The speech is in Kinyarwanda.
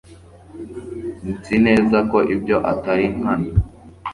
nzi neza ko ibyo atari nkana